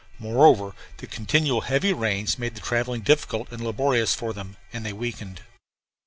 Moreover, the continual heavy rains made the travelling difficult and laborious for them, and they weakened.